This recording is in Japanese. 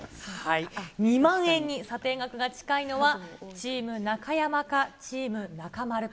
２万円に査定額が近いのは、チーム中山か、チーム中丸か。